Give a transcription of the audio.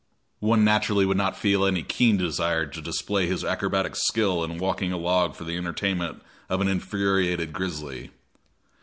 One naturally would not feel any keen desire to display his acrobatic skill in walking a log for the entertainment of an infuriated grizzly.